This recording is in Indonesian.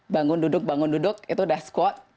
bangun duduk bangun duduk itu sudah squat